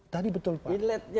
tadi betul pak